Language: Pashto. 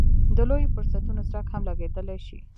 د لویو فرصتونو څرک هم لګېدلی شي.